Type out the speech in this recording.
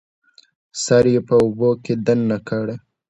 سر یې په اوبو کې دننه کړ